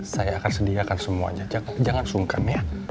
saya akan sediakan semuanya jangan sungkan ya